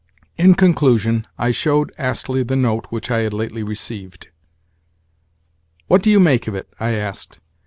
In conclusion, I showed Astley the note which I had lately received. "What do you make of it?" I asked.